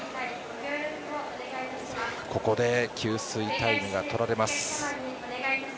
ここで給水タイムがとられます。